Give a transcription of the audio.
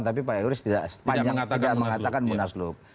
tapi pak yoris tidak mengatakan munaslup